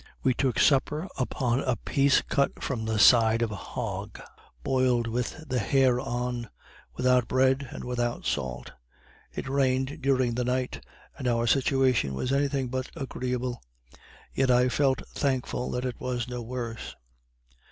We took supper upon a piece cut from the side of a hog, boiled with the hair on, without bread and without salt. It rained during the night, and our situation was anything but agreeable; yet I felt thankful that it was no worse.